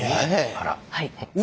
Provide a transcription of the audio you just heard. あら。